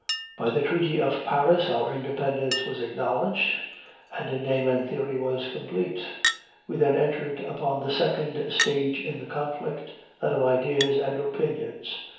By the treaty of Paris our independence was acknowledged, and in name and theory was complete. We then entered upon the second stage in the conflict, that of ideas and opinions.